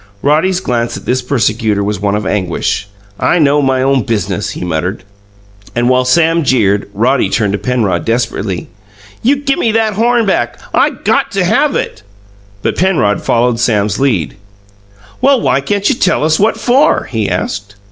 Roddy's glance at this persecutor was one of anguish. "I know my own biz'nuss!" he muttered. And while Sam jeered, Roddy turned to Penrod desperately. "You gimme that horn back! I got to have it." But Penrod followed Sam's lead. "Well, why can't you tell us what FOR?" he asked.